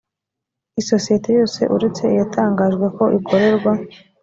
isosiyete yose uretse iyatangajwe ko ikorerwa